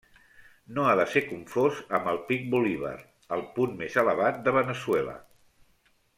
No ha de ser confós amb el Pic Bolívar, el punt més elevat de Veneçuela.